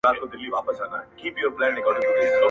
راته شعرونه ښكاري.